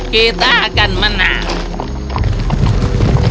kita akan menang